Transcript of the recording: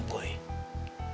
bukan kamu boy